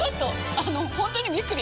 あの本当にびっくり！